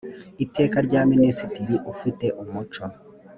iteka rya minisitiri ufite umuco